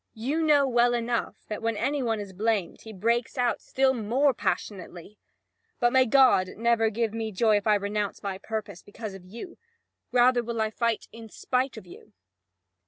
You know well enough that when any one is blamed, he breaks out still more passionately. But may God never give me joy if I renounce my purpose because of you; rather will I fight in spite of you!"